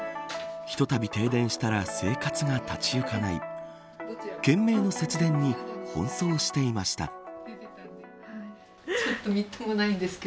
ひとたび停電したら生活が立ち行かない懸命の節電に奔走していました。